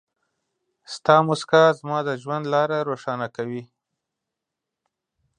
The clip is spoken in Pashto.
ستا مسکا زما د ژوند لاره روښانه کوي.